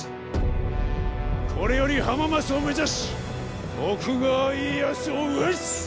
これより浜松を目指し徳川家康を討つ！